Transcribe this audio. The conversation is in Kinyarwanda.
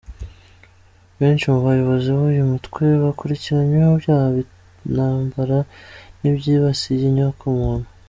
Benshi mu bayobozi b’uyu mutwe bakurikiranyweho ibyaha by’intambara n’ibyibasiye inyoko muntu.